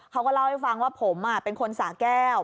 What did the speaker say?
เขาก็เล่าให้ฟังว่าผมเป็นคนสาแก้ว